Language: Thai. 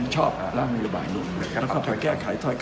ก็ส่งวันสุข